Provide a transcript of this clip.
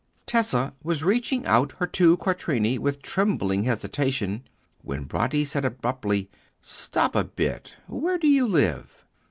Tessa was reaching out her two quattrini with trembling hesitation, when Bratti said abruptly, "Stop a bit! Where do you live?"